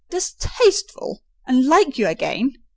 "Distasteful! and like you again!